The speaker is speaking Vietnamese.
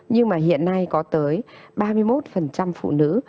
nhưng mà hiện nay có tới ba mươi một phụ nữ